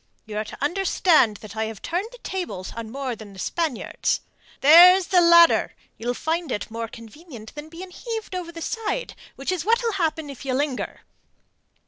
You are to understand that I have turned the tables on more than the Spaniards. There's the ladder. You'll find it more convenient than being heaved over the side, which is what'll happen if you linger."